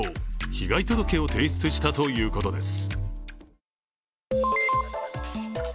被害届を提出したということです。